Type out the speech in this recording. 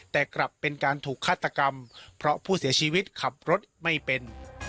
แต่กลับเป็นการถูกฆาตกรรมเพราะผู้เสียชีวิตขับรถไม่เป็น